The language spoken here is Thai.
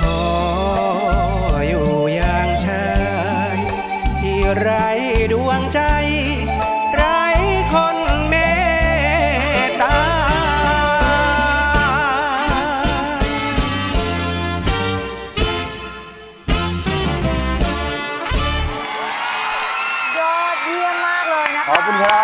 ขออยู่อย่างฉันที่ไร้ดวงใจไร้คนแม่ตาย